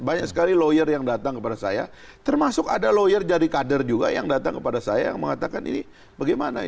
banyak sekali lawyer yang datang kepada saya termasuk ada lawyer dari kader juga yang datang kepada saya yang mengatakan ini bagaimana